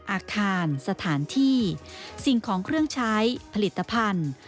อาคารสถานที่สิ่งของเครื่องใช้ผลิตภัณฑ์